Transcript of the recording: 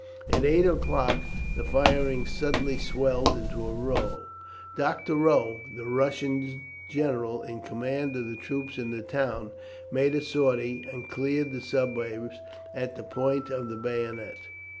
At eight o'clock the firing suddenly swelled into a roar. Doctorow, the Russian general in command of the troops in the town, made a sortie, and cleared the suburbs at the point of the bayonet.